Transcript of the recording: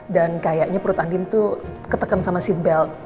dan kayaknya perut andin tuh ketekan sama seatbelt